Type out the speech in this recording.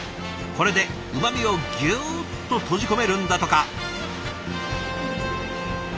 これでうまみをぎゅっと閉じ込めるんだとか。